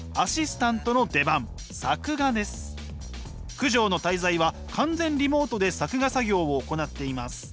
「九条の大罪」は完全リモートで作画作業を行っています。